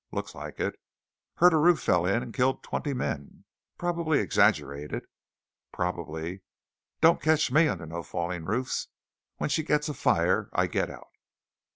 "Looks like it." "Hear a roof fell in and killed twenty men." "Probably exaggerated." "Probably. Don't catch me under no falling roofs! When she gets afire, I get out."